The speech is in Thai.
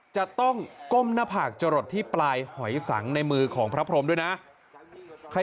จะต้องก้มหน้าผากจะหลดที่ปลายหอยสังในมือของพระพรมด้วยนะ